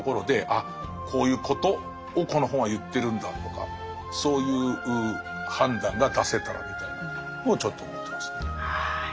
あこういうことをこの本は言ってるんだとかそういう判断が出せたらみたいなのもちょっと思ってますね。